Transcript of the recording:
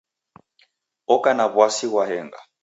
Oka na w'asi ghwa henga